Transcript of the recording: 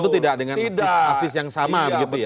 itu tidak dengan avis yang sama